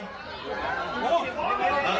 อ้าวไอ้กุ๊กมันยิงปืนเหรอวะ